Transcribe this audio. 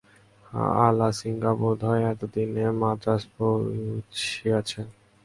আলাসিঙ্গা বোধ হয় এতদিনে মান্দ্রাজ পঁহুছিয়াছে।